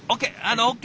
ＯＫ